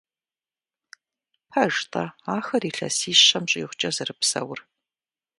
Пэж-тӏэ ахэр илъэсищэм щӏигъукӏэ зэрыпсэур?